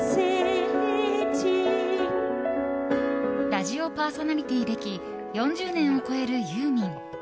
ラジオパーソナリティー歴４０年を超えるユーミン。